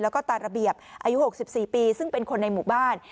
แล้วก็ตาระเบียบอายุ๖๔ปีซึ่งเป็นคนในหมู่บ้าน